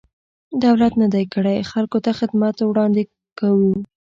دولت نه دی کړی، خلکو ته خدمات وړاندې کوو.